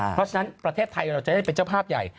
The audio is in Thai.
เพราะฉะนั้นประเทศไทยเราจะได้เป็นเจ้าภาพใหญ่